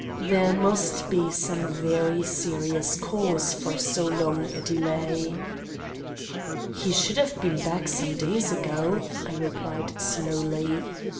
There must be some very serious cause for so long a delay. "He should have been back some days ago," I replied slowly.